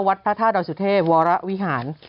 วัดพระท่าดอยสุเทพวรวิหาร